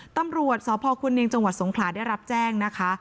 ตำรวจสพคุณเนียงจังหวัดสงขลาได้รับแจ้งนะคะ